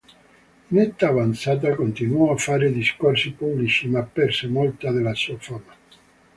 In età avanzata continuò a fare discorsi pubblici ma perse molta della sua fama.